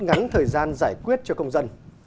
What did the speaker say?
ngắn thời gian giải quyết cho công dân